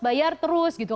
bayar terus gitu